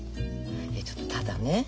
いやちょっとただね